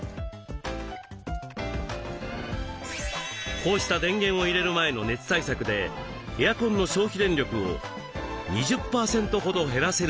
こうした電源を入れる前の熱対策でエアコンの消費電力を２０％ほど減らせるそうです。